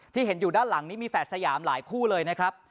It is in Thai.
ที่เห็นอยู่ด้านหลังนี้มีแฝดสยามหลายคู่เลยนะครับ